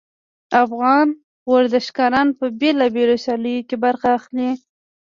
افغان ورزشګران په بیلابیلو سیالیو کې برخه اخلي